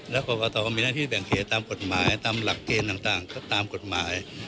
แล้วกรกตก็มีหน้าที่แบ่งเขตตามกฎหมายตามหลักเกณฑ์ต่างก็ตามกฎหมาย